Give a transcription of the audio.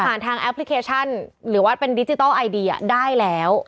ทางแอปพลิเคชันหรือว่าเป็นดิจิทัลไอเดียได้แล้ว